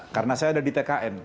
karena saya ada di tkn